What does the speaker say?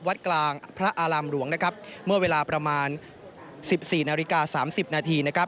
วัดกลางพระอารามหลวงเมื่อเวลาประมาณ๑๔นาฬิกา๓๐นาที